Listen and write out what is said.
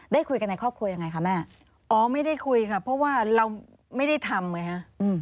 ได้คุยกันในครอบครัวยังไงคะแม่อ๋อไม่ได้คุยค่ะเพราะว่าเราไม่ได้ทำไงฮะ